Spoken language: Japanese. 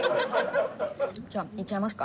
じゃあいっちゃいますか。